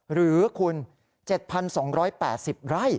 หรือคุณ๗๒๘๐ไร่